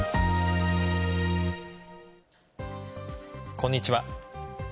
こんにちは。